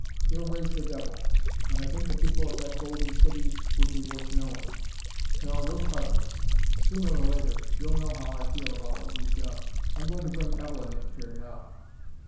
He'll raise the devil; and I think the people of that Golden City would be worth knowing. No, we're partners. Sooner or later, you'll know how I feel about what you've done. I'm going to bring Evelyn in here now."